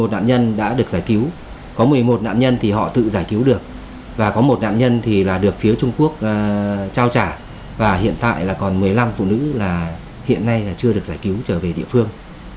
một nạn nhân đã được giải cứu có một mươi một nạn nhân thì họ tự giải cứu được và có một nạn nhân thì là được phía trung quốc trao trả và hiện tại là còn một mươi năm phụ nữ là hiện nay là chưa được giải cứu trở về địa phương